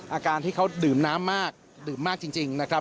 อาการที่เขาดื่มน้ำมากดื่มมากจริงนะครับ